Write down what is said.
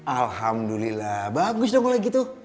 alhamdulillah bagus dong kalau gitu